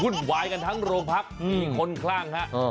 หุ่นวายกันทั้งโรงพักีคนคล่าง